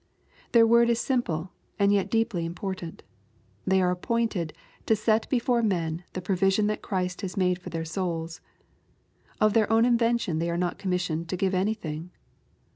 Their word is simple, and yet deeply important. They are appointed to set hefore mien the provision that Christ has made for their souls. Of their own invention they are not commissioned to give anything.